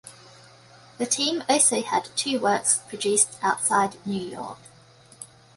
The team also had two works produced outside New York.